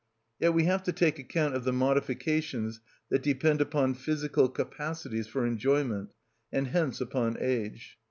Yet we have to take account of the modifications that depend upon physical capacities for enjoyment, and hence upon age.